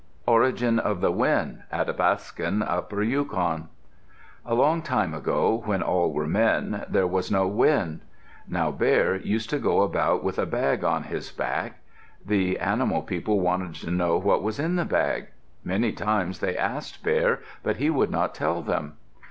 ORIGIN OF THE WIND Athapascan (Upper Yukon) A long time ago, when all were men, there was no wind. Now Bear used to go about with a bag on his back. The animal people wanted to know what was in the bag. Many times they asked Bear but he would not tell them.